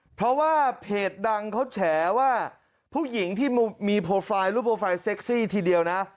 เพราะว่าเพจดังเขาแฉว่าผู้หญิงที่มีโปรไฟล์รูปโปรไฟล์เซ็กซี่ทีเดียวนะ